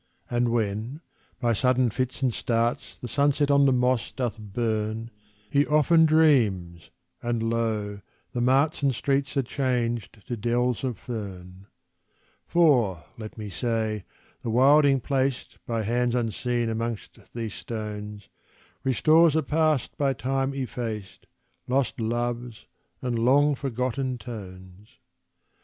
And when by sudden fits and starts The sunset on the moss doth burn, He often dreams, and, lo! the marts And streets are changed to dells of fern. For, let me say, the wilding placed By hands unseen amongst these stones, Restores a Past by Time effaced, Lost loves and long forgotten tones!